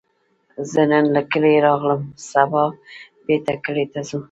زه نن له کلي راغلم، سبا بیرته کلي ته ځم